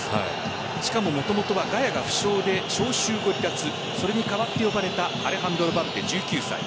しかももともとはガヤが負傷で招集を離脱代わってアレハンドロ・バルデ１９歳。